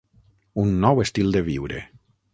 Un nou estil de viure.